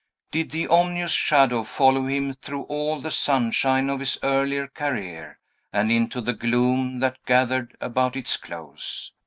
Did the ominous shadow follow him through all the sunshine of his earlier career, and into the gloom that gathered about its close?